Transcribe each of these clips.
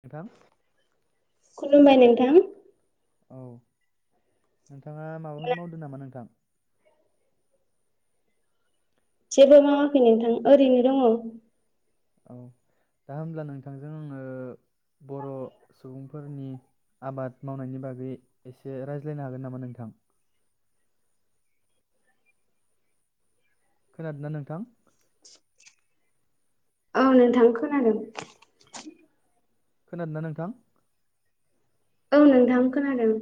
नोंथां। खुलुमबाय नोंथां। औ नोंथाङा माबाफोर मावदों नामा नोंथां? जेबो मावाखै नोंथां ओरैनो दङ। औ दा होब्ला नोंथांजों आङो बर' सुबुंफोरनि आबाद मावनायनि बागै एसे रायज्लायनो हागोन नामा नोंथां? खोनादोंना नोंथां? औ नोंथां खोनादों। खोनादों ना नोंथां? औ नोंथां खोनादों।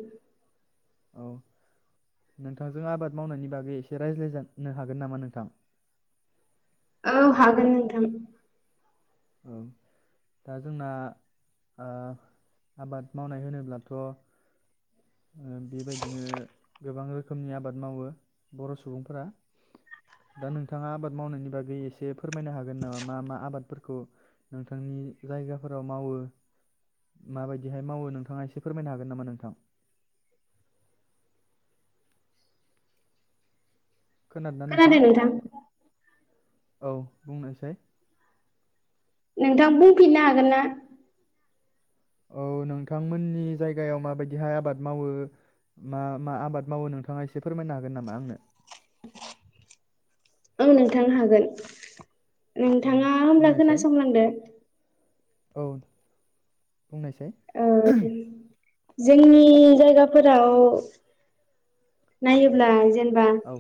औ नोंथांजों आबाद मावनायनि बागै एसे रायज्लायजानो हागोन नामा नोंथां? औ हागोन नोंथां। औ दा जोंना आ आबाद मावनाय होनोब्लाथ' ओ बेबायदिनो गोबां रोखोमनि आबाद मावो बर' सुबुंफोरा दा नोंथाङा आबाद मावनायनि बागै एसे फोरमायनो हागोन नामा मा मा आबादफोरखौ नोंथांनि जायगाफोराव मावो माबायदिहाय मावो नोंथाङा एसे फोरमायनो हागोन नामा नोंथां? खोनादों नोंथां। औ बुंनायसाय। नोंथां बुंफिननो हागोन ना? औ नोंथांमोननि जायगायाव माबायदिहाय आबाद मावो मा मा आबाद मावो नोंथाङा एसे फोरमायनो हागोन नामा आंनो? औ नोंथां हागोन। औ नोंथाङा होमब्ला बुंनायसाय खोनासंलांदो। औ। बुंनायसाय। ओ जोंनि जायगाफोराव नायोब्ला जेन बा औ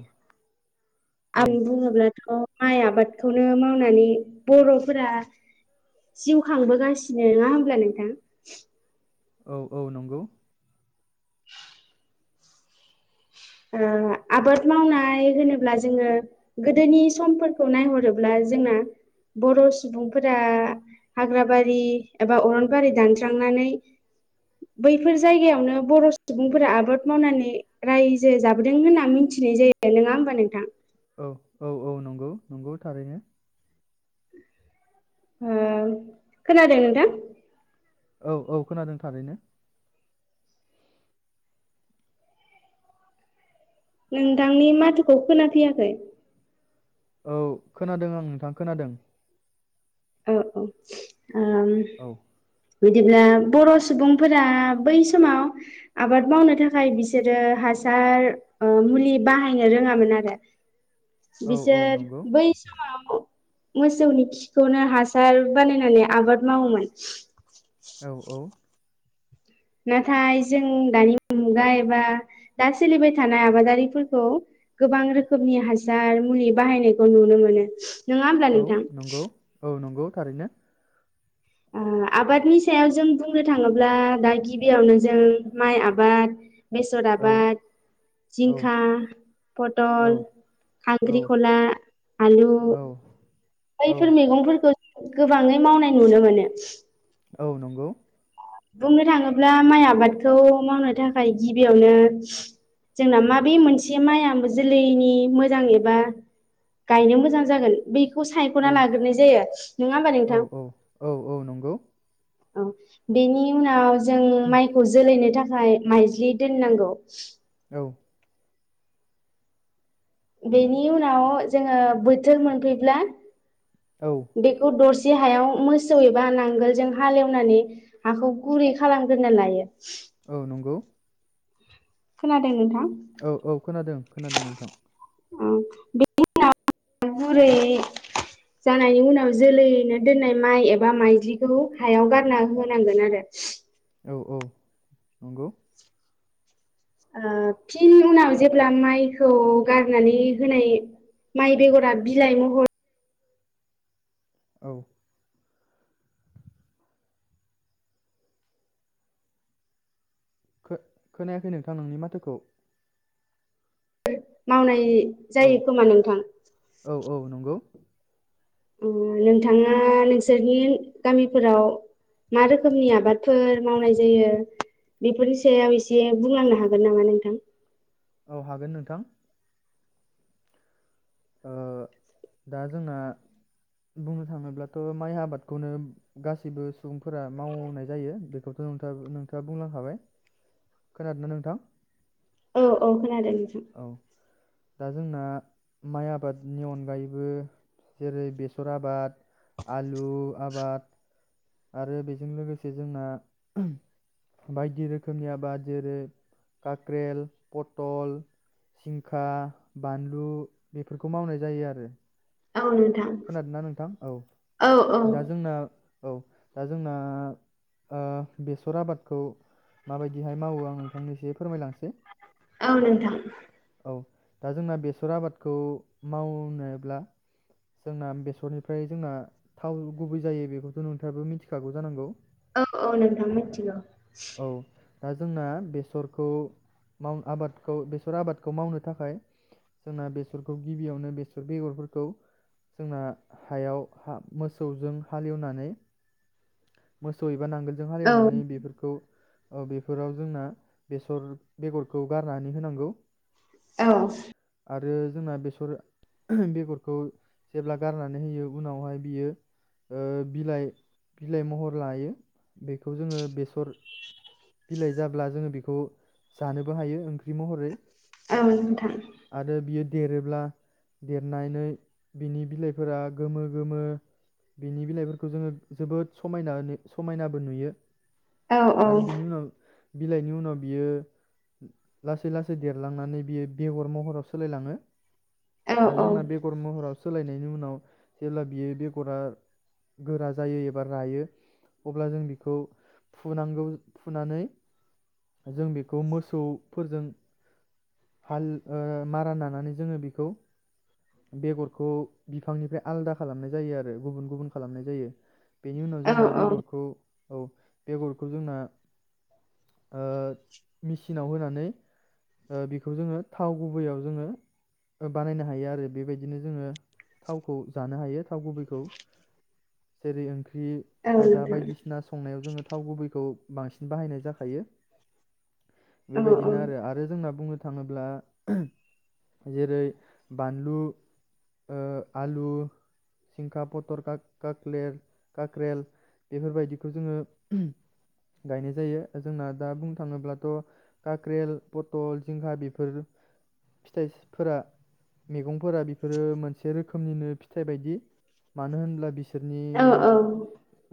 औ आरि बुङोब्लाथ' माइ आबादखौनो मावनानै बर'फोरा जिउ खांबोगासिनो नङा होमब्ला नोंथां? औ औ नंगौ। ओ आबाद मावनाय होनोब्ला जोङो गोदोनि समफोरखौ नायहरोब्ला जोंना बर' सुबुंफोरा हाग्राबारि एबा अरनबारि दानस्रांनानै बैफोर जायगायावनो बर' सुबुंफोरा आबाद मावनानै राय जे जाबोदों होनना मिथिनाय जायो नोङा होमबा नोंथां? औ औ औ नंगौ नंगौ थारैनो। ओ खोनादों नोथां? औ औ खोनादों थारैनो। नोंथांनि माथोखौ खोना फैयाखै। औ खोनादों आं नोंथां खोनादों। औ औ। ओम। औ बिदिब्ला बर सुबुंफोरा बै समाव आबाद मावनो थाखाय बिसोरो हासार ओ मुलि बाहायनो रोंङामोन आरो औ औ बिसोर नंगौ बै समाव मोसौनि खि खौनो हासार बानायनानै आबाद मावोमोन औ औ नाथाय जों दानि मुगा एबा दा सोलिबाय थानाय आबादारिफोरखौ गोबां रोखोमनि हासार मुलि बाहायनायखौ नुनो मोनो। नङा होमब्ला औ नोंथां नंगौ औ नंगौ थारैनो ओ आबादनि सायाव जों बुंनो थांङोब्ला दा गिबियावनो जों माइ आबाद बेसर औ आबाद औ जिंखा औ पटल औ खांख्रिखला आलु औ औ बैफोर मैगंफोर गोबाङै मावनाय नुनो मोनो औ नंगौ बुंनो थाङोब्ला माइ आबादखौ मावनो थाखाय गिबियावनो जोंना माबे मोनसे माइआ जोलैनि मोजां एबा गायनो मोजां जागोन बे खौ औ सायखना लाग्रोनाय जायो नङा होमबा औ नोंथां? औ औ औ नंगौ औ बेनि उनाव जों माइखौ जोलैनो थाखाय ओफ्राय माइज्लि दोननांगौ औ बेनि उनाव जोंङो बोथोर मोनफैब्ला औ बेखौ दसे जे हायाव मोसौ एबा नांगोलजों हालेवनानै हाखौ गुरै खालामग्रोना लायो औ नंगौ खोनांदों नोंथां? औ औ खोनादों खोनादों नोंथां औ बेनि उनाव बुरै जानायनि उनाव जोलैनो दोननाय माइ एबा माइद्लिखौ हायाव गारना होनांगोन आरो औ औ नंगौ ओ फिन उनाव जेब्ला माइखौ गारनानै होनाय माइ बेगरा बिलाइ महर औ खोनायाखै नोंथां नोंनि माथोखौ मावनाय औ जायो खोमा नोंथां औ औ नंगौ नोंथाङा नोंसोरनि गामिफोराव मा रोखोमनि आबादफोर मावनाय जायो बेफोरनि सायाव एसे बुंलांनो हागोन नामा नोंथां औ हागोन नोंथां ओ दा जोंना बुंनो थाङोब्लाथ माइ आबादखौनो गासैबो सुबुंफोरा मावनाय जायो बेखौथ नोंथाङा बुंलांखाबाय खोनादोंना नोंथां औ औ खोनांदों औ दा जोंना माइ आबादनि अनगायैबो जेरै बेसर आबाद आलु आबाद आरो बेजों लोगोसे जोंना बायदि रोखोमनि आबाद जेरै काक्रेल, पतल, सिंखा, बानलु बेफोरखौ मावनाय जायो आरो। औ नोंथां खोनादोना नोंथां औ दा जोंना औ दा जोंना ओ बेसर आबादखौ माबायदिहाय मावो आं नोंथांनो एसे फोरमायलांसै। औ नोंथां। औ दा जोंना बेसर आबादखौ मावनोब्ला जोंना बेसरनिफ्राय जोंना थाव गुबै जायो बेखौथ' नोंथाङाबो मिथिखागौ जानांगौ? औ औ नोंथां मिथिगौ। औ दा जोंना बेसरखौ माव आबादखौ बेसर आबादखौ मावनो थाखाय जोंना बेसरखौ गिबियावनो बेसर बेगरफोरखौ जोंना हायाव हा मोसौजों हालेवनानै मोसौ एबा नांगोलजों औ हालेवनानै बेफोर औ बेफोराव जोंना बेसर बेगरखौ गारनानै होनांगौ। औ आरो जोंना बेसर बेगरखौ जेब्ला गारनानै होयो उनावहाय बियो ओ बिलाइ बिलाइ महर लायो बेखौ जोङो बेसर बिलाइ जाब्ला जोङो बेखौ खौ जानोबो हायो ओंख्रि महरै। औ नोंथां आरो बियो देरोब्ला देरनानै बिनि बिलाइफोरा गोमो गोमो बिनि बिलाइफोरखौ जोङो जोबोद समायनानै समायनाबो नुयो। औ औ आरो बिनि उनाव बिलाइनि उनाव बियो लासै लासै देरलांनानै बियो बेगर महराव सोलायलाङो। औ आरो औ जोंना बेगर महराव सोलायनायनि उनाव जेब्ला बियो बेगरा गोरा जायो एबा रायो अब्ला जों बिखौ फुनांगौ फुनानै जों बेखौ मोसौफोरजों हाल ओ मारा नानानै जोङो बिखौ बेगरखौ बिफांनिफ्राय आलदा खालामनाय जायो आरो गुबुन गुबुन खालामनाय जायो। बेनि उनाव नोंथां औ जोंना औ बेगरखौ औ बेगरखौ जोंना ओ मिसिनाव होनानै ओ बि बेखौ जोङो थाव गुबैयाव जोङो ओ बानायनो हायो आरो बेबायदिनो जोङो थावखौ जानो हायो। थाव गुबैखौ जेरै ओंख्रि नोंथां औ फाजा नोंथां औ नोंथां बायदिसिना संनायाव जोङो थाव गुबैखौ बांसिन बाहायनाय जाखायो। बेबायदिनो आरो आरो जोंना बुं नो थाङोब्ला जेरै बानलु ओ आलु सिंखा पटर काक-काक्लेर काक्रेल बेफोरबायदिखौ जोङो गायनाय जायो जोंना दा बुंनो थाङोब्लाथ' काक्रेल पतल जिंखा बेफोर फिथाइसफोरा मेगंफोरा बेफोरो मोनसे रोखोमनिनो फिथाइ बायदि मानो होनब्ला बिसो सोरनि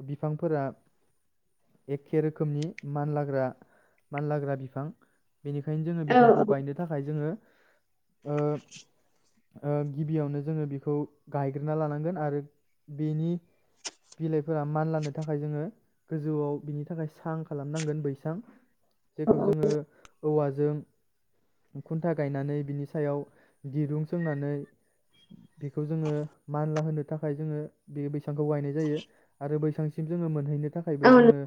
बि फांफोरा एखे रोखोमनि मानलाग्रा मानलाग्रा बिफां बेनिखायनो जोङो फोरखौ गायनो थाखाय जोङो ओ [inaudible] ओ गिबियावनो जोङो बिखौ गायग्रोना लानांगोन आरो बेनि बिलाइफोरा मानलानो थाखाय जोङो गोजौआव बिनि थाखाय सां खालामनांगोन बैसां। जेखौ जोंङो औवाजों खुन्था गायनानै बिनि सायाव दिरुं सोंनानै बेखौ जोंङो मानला होनो थाखाय जोंङो बे बैसांखौ गायनाय जायो आरो बैसांसिम जोंङो मोनहैनो थाखायबो जोंङो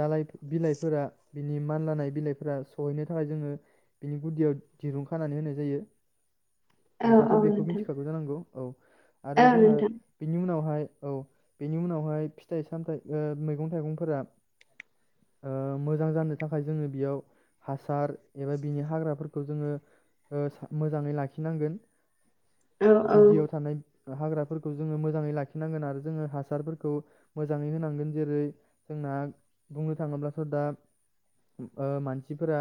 दालय बिलायफोरा बिनि मानलानाय बिलायफोरा सहैनो थाखाय जोंङो बिनि गुदियाव दिरुं खानानै होनाय जायो। नोंथाङाथ बेखौ मिथिखागौ जानांगौ औ आरो जोंना बिनि उनावहाय औ बेनि उनावहाय फिथाय सामथाय ओ मैगं थाइगंफोरा ओ मोजां जानो थाखाय जोंङो बेयाव हासार एबा बिनि हाग्राफोरखौ जोंङो ओ मोजाङै लाखिनांगोन। गुदियाव थानाय हाग्राफोरखौ जोंङो मोजाङै लाखिनांगोन आरो जोंङो हासारफोरखौ मोजाङै होनांगोन जेरै जोंना बुंनो थाङोब्लाथ दा ओ मान सिफोरा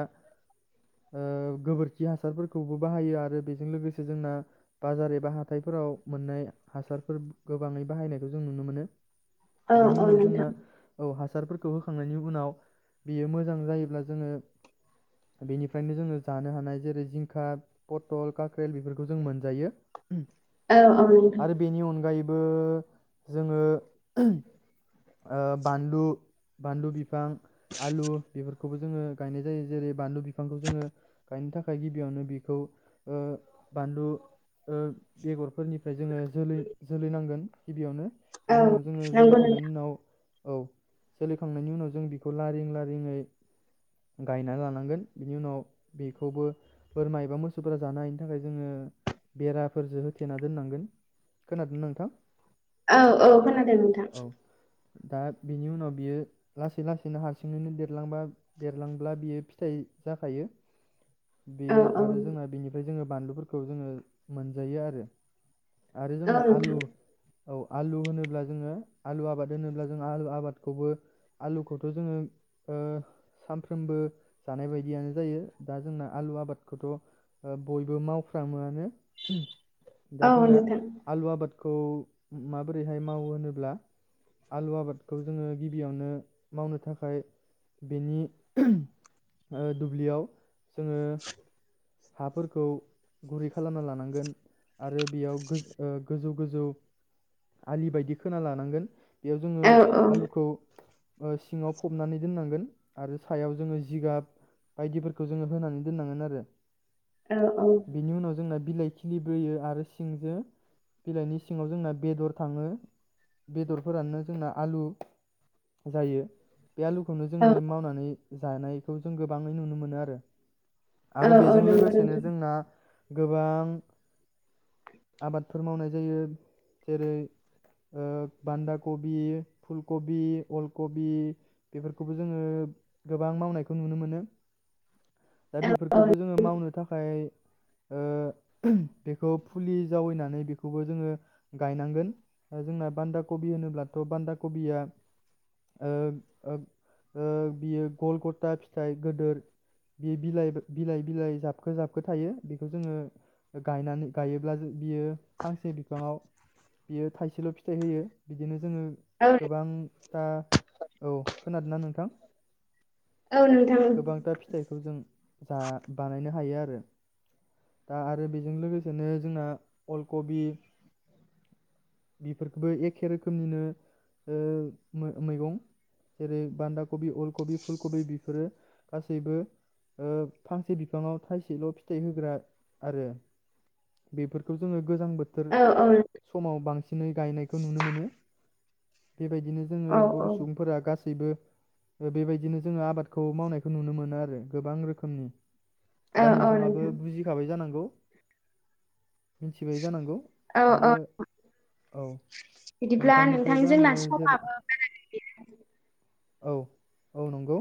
ओ गोबोरखि हासारफोरखौबो बाहायो आरो बेजों लोगोसे जोंना बाजार एबा हाथायफोराव मोननाय हासारफोर गोबाङै बाहायनायखौ जों नुनो मोनो। बेनि उनाव जोंना औ हा हासारफोरखौ होखांनायनि उनाव बेयो मोजां जायोब्ला जोंङो बेनिफ्रायनो जोंङो जानो हानाय जेरै जिंखा पथल काख्रेल बेफोरखौ जों मोनजायो। औ औ नोंथां आरो बेनि अनगायै बो जोंङो ओ बानलु-बानलु बिफां आलु बेफोरखौबो जोंङो गायनाय जायो जेरै बानलु बिफांखौ जोंङो गायनो थाखाय गिबियावनो बेखौ ओ बानलु ओ बेगरफोरनि फ्राय जोंङो जोलै-जोलै नांगोन गिबियावनो। औ बेनि उनाव जोंङो नंगौ जोलैखांनायनि नोंथां उनाव औ जोलैखांनायनि उनाव जों बेखौ लारिं लारिंङै गायना लानांगोन बिनि उनाव बेखौबो बोरमा एबा मोसौफोरा जानायनि थाखाय जोंङो बेराफोरजो होथेना दोननांगोन खोनादों नोंथां। औ औ खोनादों नोंथां औ दा बिनि उनाव बियो लासै-लासैनो हारसिंङैनो देरलांबा देरलांब्ला बियो फिथाय जाखायो। औ बेयो औ आरो जोंना बेनिफ्राय जोंङो बानलुफोरखौ जोंङो मोनजायोआरो। औ आरोजोंना आलु नोंथां औ आलु होनोब्ला जोंङो आलु आबाद होनोब्ला जों आलु आबादखौबो आलुखौथ' जोंङो ओ सानफ्रोमबो जानाय बायदियानो जायो दा जोंना आलु आबादखौथ' ओ बयबो मावफ्रामोआनो। दा औ जोंना नोंथां आलु आबाद खौ माबोरैहाय मावो होनोब्ला आलु आबादखौ जोंङो गिबियावनो मावनो थाखाय बेनि ओ दुब्लियाव जोंङो हाफोरखौ गुरै खालामना लानांगोन आरो बेयाव ओ गोजौ-गोजौ आलि बायदि खोना लानांगोन। बेयाव जोंङो औ आलुखौ सिंङाव फबनानै दोननांगोन आरो सायाव जोंङो जिगाब बायदिफोरखौ जोंङो होनानै दोननांगोनआरो। औ बिनि उनाव जोंना बिलाइ खिलिबोयो आरो सिंजो बिलाइनि सिङाव जोंना बेदर थाङो बेदरफोरानो जोंना आलु जायो। बे आलुखौनो औ जोङो मावनानै जानायखौ जों गोबाङै नुनो मोनोआरो। औ आरो बे औ जों नंगौ लोगोसेनो नोंथां जोंना गोबां आबादफोर मावनाय जायो जेरै ओ बान्दा कबि फुलकबि अलकबि बेफोरखौबो जोङो गोबां मावनायखौ नुनो मोनो। दा औ बेफोरखौबो जोङो मावनो थाखाय ओ बेखौ फुलि जावैनानै बेखौबो जोङो गायनांगोन जोंना बान्दा कबि होनोब्लाथ' बान्दा कबिया ओ-ओ-ओ बियो गल गथा फिथाइ गदोर बे बिलाइ। बिलाइ बिलाइ जाबखो जाबखो थायो बेखौ जोङो गायनानै गायोब्ला बियो फांसे बिफाङाव बियो थाइसेल' फिथाइ होयो बिदिनो जोङो औ गोबांथा औ खोनादोंना नोंथां औ नोंथां औ गोबांथा फिथाइखौ जों जा बानाय [unintelligible] आरो दा आरो बेजों लोगोसे जोंना अल कबि बिफोरबो एखे रोखोमनिनो ओ मैगं जेरै बान्दा कबि अल कबि बिफोरो गासैबो। ओ फांसे बिफाङाव थाइसेल' फिथाइ होग्रा आरो बेफोरखौ जोङो गोजां बोथोर औ समाव बांसिनै गायनायखौ नुनो मोनो। बेबायदिनो जोङो औ बर' सुबुंफोरा गासैबो बिबो ओ बेबायदिनो जोङो आबादखौ मावनायखौ नुनो मोनो आरो। गोबां रोखोमनि। दा औ औ नोंथाङाबो नोंथां बुजिखाबाय जानांगौ। मिथिबाय जानांगौ औ आरो औ औ बिदिब्ला नोंथां नोंथांनिफ्रायबो जोंना आङो जेरै समाबो बारा औ औ नंगौ।